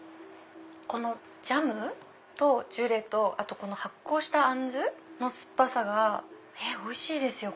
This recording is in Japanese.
このジャムとジュレと発酵したアンズの酸っぱさがおいしいですよ。